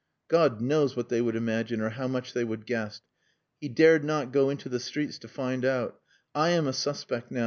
God knows what they would imagine, or how much they would guess. He dared not go into the streets to find out. "I am a suspect now.